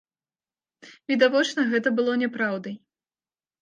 Відавочна, гэта было няпраўдай.